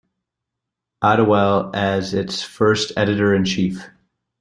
Ottewell as its first editor-in-chief.